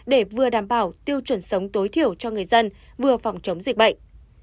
để vừa đảm bảo tiêu chuẩn sống tối thiểu cho người dân vừa phòng chống dịch bệnh